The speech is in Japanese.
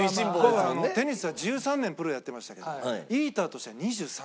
僕はテニスは１３年プロやってましたけどイーターとしては２３年ですから。